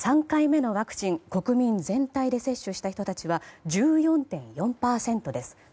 ３回目のワクチン国民全体で接種した人たちは１４．４％です。